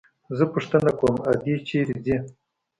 زه پوښتنه کوم ادې چېرته ځي.